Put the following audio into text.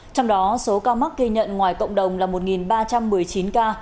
trong đó số ca mắc ghi nhận ngoài cộng đồng là một ba trăm một mươi chín ca